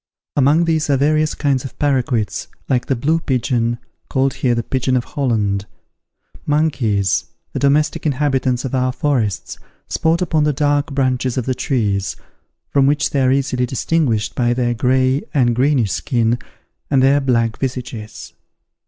Among these are various kinds of parroquets, and the blue pigeon, called here the pigeon of Holland. Monkeys, the domestic inhabitants of our forests, sport upon the dark branches of the trees, from which they are easily distinguished by their gray and greenish skin, and their black visages.